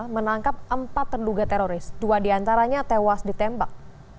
menangkap empat terduga teroris dua diantaranya tewas ditembak